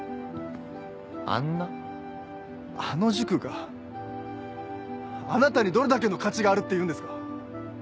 あの塾があなたにどれだけの価値があるっていうんですか。